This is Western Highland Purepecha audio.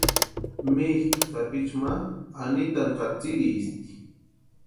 Mitʼu sapichu ma Anitani katsïrhisti.